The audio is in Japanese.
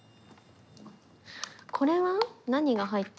これは？何が入ってるんだろ。